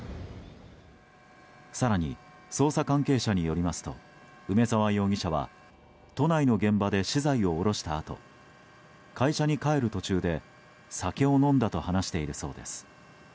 更に、捜査関係者によりますと梅沢容疑者は都内の現場で資材を降ろしたあと会社に帰る途中で酒を飲んだと話しているそうです。